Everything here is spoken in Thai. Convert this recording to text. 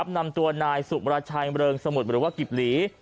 นำตัวนายสุบราชัยเริงสมุทรหรือว่ากิบหลี